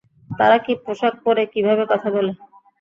তারা কী পোশাক পরে, কীভাবে কথা বলে।